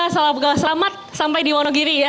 assalamualaikum selamat sampai di wonogiri ya